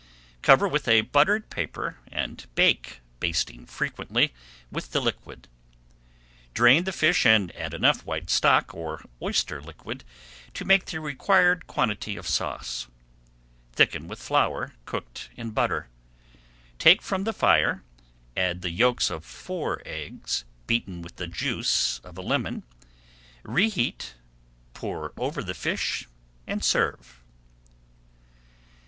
Cover with a buttered paper and bake, basting frequently with the liquid. Drain the fish and add enough white stock or oyster liquid to make the required quantity of sauce. Thicken with flour cooked in butter. Take from the fire, add the yolks of four eggs beaten with the juice of a lemon, reheat, pour over the fish, and serve.